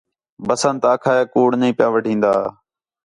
بسنت آکھا ہِے آں کُوڑ نہیں پِیا وڈھین٘دا